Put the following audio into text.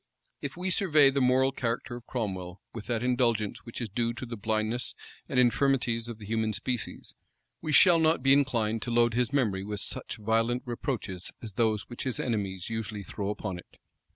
If we survey the moral character of Cromwell with that indulgence which is due to the blindness and infirmities of the human species, we shall not be inclined to load his memory with such violent reproaches as those which his enemies usually throw upon it.